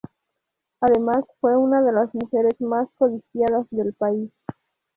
Además, fue una de las mujeres más codiciadas del país.